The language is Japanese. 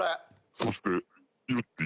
そしてゆってぃ。